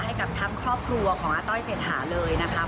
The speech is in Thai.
ให้กับทั้งครอบครัวของอาต้อยเศรษฐาเลยนะคะ